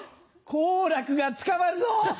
好楽が捕まるぞ！